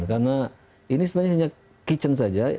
karena ini sebenarnya hanya kitchen saja